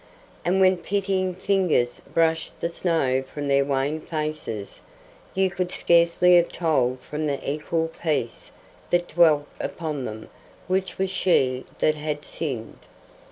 And when pitying fingers brushed the snow from their wan faces, you could scarcely have told from the equal peace that dwelt upon them which was she that had sinned.